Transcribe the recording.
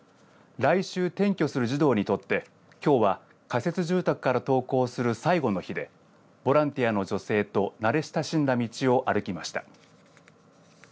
来週転居する児童にとってきょうは仮設住宅から登校する最後の日でボランティアの女性と慣れ親しんだ道を歩きました。